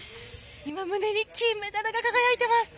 今、胸に金メダルが輝いてます。